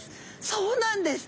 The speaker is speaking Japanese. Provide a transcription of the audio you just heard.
そうなんです。